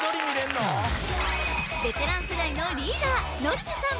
ベテラン世代のリーダー紀香さん